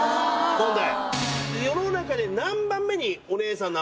問題。